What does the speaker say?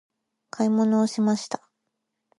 買い物をしました。